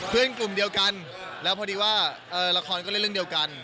กลุ่มเดียวกันแล้วพอดีว่าละครก็เล่นเรื่องเดียวกัน